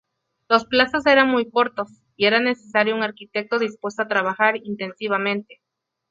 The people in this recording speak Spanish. Los plazos eran muy cortos, y era necesario un arquitecto dispuesto a trabajar intensivamente.